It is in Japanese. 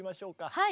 はい！